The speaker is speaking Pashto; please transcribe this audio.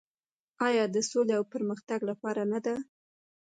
آیا د سولې او پرمختګ لپاره نه ده؟